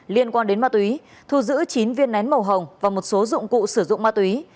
liên quan đến ma túy thu giữ chín viên nén màu hồng và một số dụng cụ sử dụng ma túy